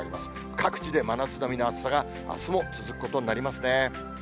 各地で真夏並みの暑さが、あすも続くことになりますね。